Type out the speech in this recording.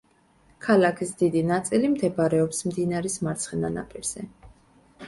ქალაქის დიდი ნაწილი მდებარეობს მდინარის მარცხენა ნაპირზე.